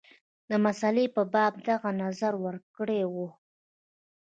د مسلې په باب دغه نظر ورکړی وو.